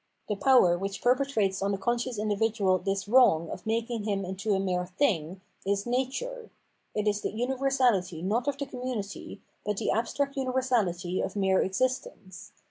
The power which perpetrates on the conscious individual this wrong of making him into a mere thing, is " nature "; it is the universahty not of the community, but the abstract universahty of mere existence.